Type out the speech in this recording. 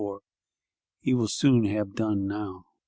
He will soon have done now.